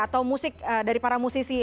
atau musik dari para musisi